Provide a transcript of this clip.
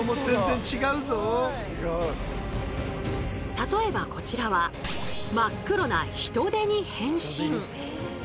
例えばこちらは真っ黒なヒトデに変身。